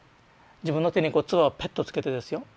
自分の手にこう唾をペッとつけてですよ